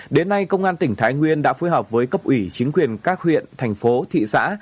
đến nay công an tỉnh thái nguyên đã phối hợp với cấp ủy chính quyền các huyện thành phố thị xã